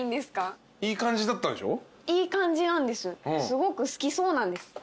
すごく好きそうなんです。